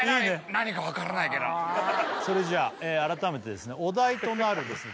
何か分からないけどそれじゃあ改めてですねお題となるですね